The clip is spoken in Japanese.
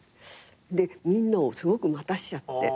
でみんなをすごく待たせちゃって。